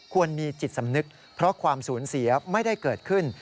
มีจิตสำนึกเพราะความสูญเสียไม่ได้เกิดขึ้น